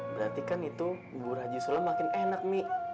berarti kan itu pugu haji sulam makin enak mi